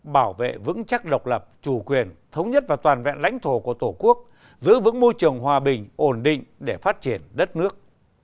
bảo vệ vững chắc độc lập chủ quyền thống nhất và toàn vẹn lãnh thổ của tổ quốc giữ vững môi trường hòa bình ổn định để phát triển đất nước